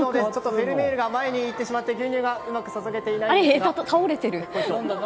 フェルメールが前に行ってしまって牛乳がうまく注げてないんですが。